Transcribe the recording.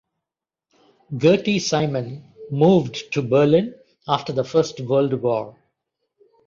Gerty Simon moved to Berlin after the First World War.